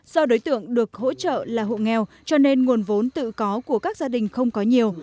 do đối tượng được hỗ trợ là hộ nghèo cho nên nguồn vốn tự có của các gia đình không có nhiều